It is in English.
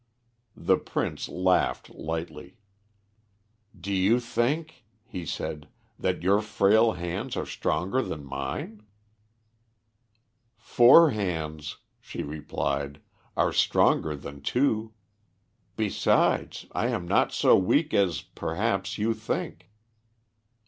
The Prince laughed lightly. "Do you think," he said, "that your frail hands are stronger than mine?" "Four hands," she replied, "are stronger than two. Besides, I am not so weak as, perhaps, you think."